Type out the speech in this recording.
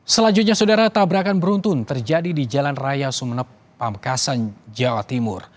selanjutnya saudara tabrakan beruntun terjadi di jalan raya sumeneb pamekasan jawa timur